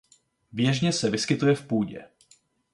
Běžně se vyskytuje v půdě.